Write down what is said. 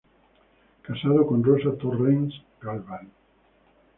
Casado con Rosa Torrens Galván.